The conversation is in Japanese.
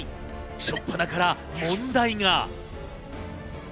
しょっぱなから問題が。